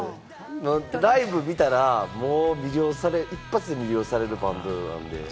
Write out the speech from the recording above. ライブ見たら、もう一発で魅了されるバンド。